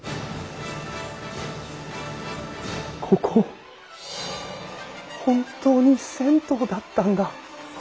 ここ本当に銭湯だったんだ。